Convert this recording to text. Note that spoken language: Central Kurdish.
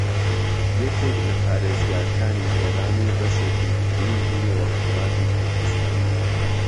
یەکێک لە پارێزگاکانی ئێران و بەشێکی گرینگی ڕۆژھەڵاتی کوردستانە